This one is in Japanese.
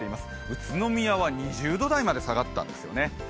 宇都宮は２０度台まで下がったんですね。